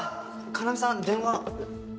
要さん電話！